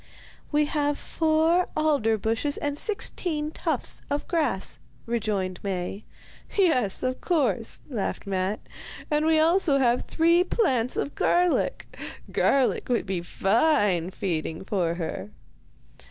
'We have four alder bushes and sixteen tufts of grass,' rejoined Maie. 'Yes, of course,' laughed Matte, 'and we have also three plants of garlic. Garlic would be fine feeding for her.